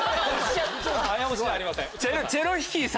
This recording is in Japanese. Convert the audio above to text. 早押しじゃありません。